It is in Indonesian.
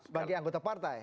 sebagai anggota partai